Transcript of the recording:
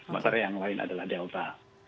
makanya yang lain adalah delta